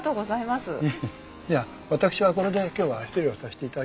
じゃ私はこれで今日は失礼をさせていただきます。